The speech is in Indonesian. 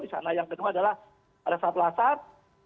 di sana yang kedua adalah pada saat lasat